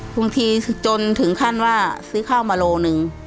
บางทีจนถึงขั้นว่าซื้อข้าวมาโลหนึ่ง